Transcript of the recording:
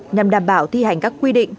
nhằm đảm bảo thi hành các quy định